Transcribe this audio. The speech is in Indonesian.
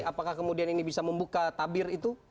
apakah kemudian ini bisa membuka tabir itu